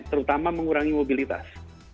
terutama mengurangi mobilitas